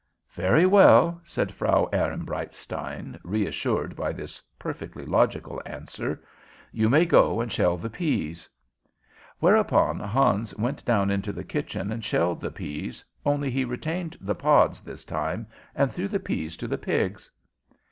"Very well," said Frau Ehrenbreitstein, reassured by this perfectly logical answer. "You may go and shell the pease." Whereupon Hans went down into the kitchen and shelled the pease, only he retained the pods this time, and threw the pease to the pigs.